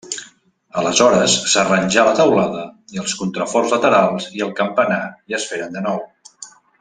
Aleshores s'arranjà la teulada i els contraforts laterals i el campanar es feren de nou.